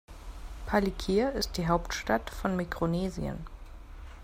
Palikir ist die Hauptstadt von Mikronesien.